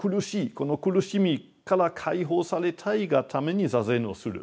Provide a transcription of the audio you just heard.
この苦しみから解放されたいがために坐禅をする。